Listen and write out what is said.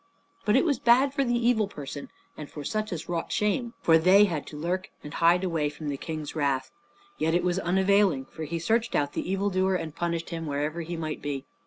But it was bad for the evil person and for such as wrought shame, for they had to lurk and hide away from the King's wrath; yet was it unavailing, for he searched out the evil doer and punished him, wherever he might be.